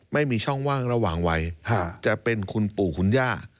ไม่มีช่องว่างระหว่างวัยจะเป็นคุณปู่คุณย่า